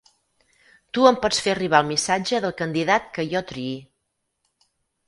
Tu em pots fer arribar el missatge del candidat que jo triï.